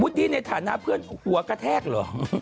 ดี้ในฐานะเพื่อนหัวกระแทกเหรอ